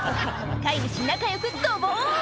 飼い主仲良くドボン